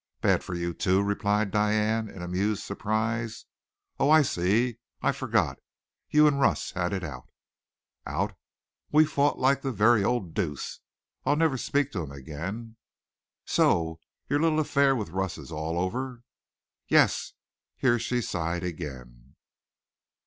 "Bad for you, too?" replied Diane in amused surprise. "Oh, I see I forgot. You and Russ had it out." "Out? We fought like the very old deuce. I'll never speak to him again." "So your little affair with Russ is all over?" "Yes." Here she sighed again.